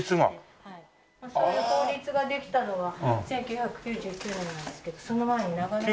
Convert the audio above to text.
そういう法律ができたのは１９９９年なんですけどその前に長野五輪。